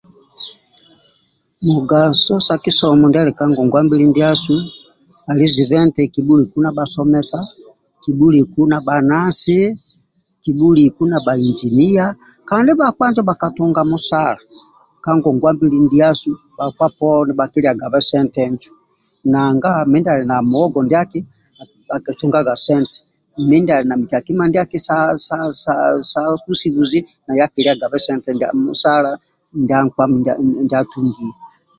Mugaso sa kisomo ndia ali ka ngonguwa mbili ndiasu ali zibe nti kibhuliku na bhasomesa, kibhuliku na bhanansi, kibhuliku na bhainjiniya kandi bhakpa njo bhakatunga musala ka ngonguwa mbili ndiasu bhakpa poni bhakiliagabe sente njo nanga mindia ali na muogo ndiaki bhakitungaga sente dumbi mindia ali na nkiakima ndiaki sa sa sa busubuzi naye akiliagabe sente ndia musala ndia nkpa ndia atungiya.